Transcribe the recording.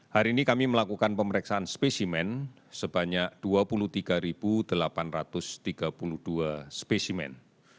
hari ini kami melakukan pemeriksaan spesimen sebanyak dua puluh tiga delapan ratus tiga puluh dua spesimen